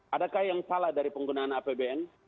adakah yang salah dari penggunaan apbn